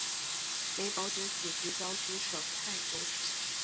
梅葆玖祖籍江苏省泰州市。